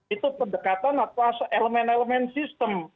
itu pendekatan atas elemen elemen sistem